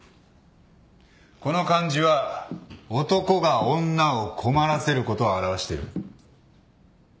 この漢字は男が女を困らせることを表している。